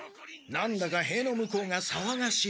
何だかへいの向こうがさわがしい。